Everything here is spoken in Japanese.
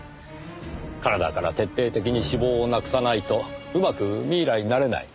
体から徹底的に脂肪をなくさないとうまくミイラになれない。